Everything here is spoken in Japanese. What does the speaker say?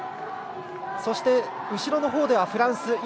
そして、後ろのほうではフランス。